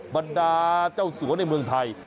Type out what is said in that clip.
บรรดาเจ้าสัวในเมืองไทย